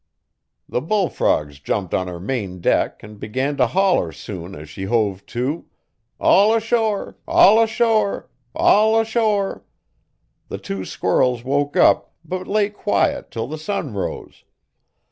The bullfrogs jumped on her main deck an' begun t' holler soon as she hove to: "all ashore! all ashore! all ashore!" The two squirrels woke up but lay quiet 'til the sun rose.